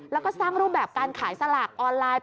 แล้วก็สร้างรูปแบบการขายสลากออนไลน์